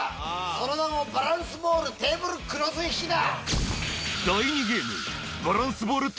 その名もバランスボールテーブルクロス引きだ。